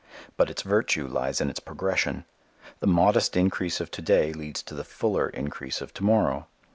But its virtue lies in its progression. The modest increase of to day leads to the fuller increase of to morrow.